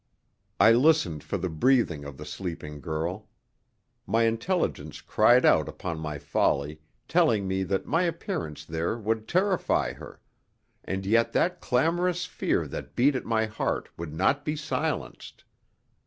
I listened for the breathing of the sleeping girl. My intelligence cried out upon my folly, telling me that my appearance there would terrify her; and yet that clamorous fear that beat at my heart would not be silenced.